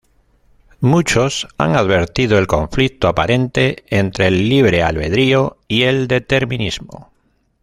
Muchos han advertido el conflicto aparente entre el libre albedrío y el determinismo.